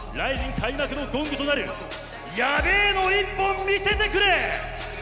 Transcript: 開幕のゴングとなるやべえの一本見せてくれ！